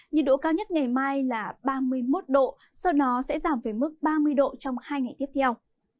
nhiệt độ cao nhất ngày mai là ba mươi một độ sau đó sẽ giảm về mức ba mươi độ trong hai ngày tiếp theo